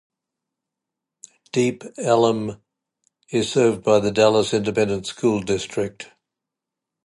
Deep Ellum is served by the Dallas Independent School District.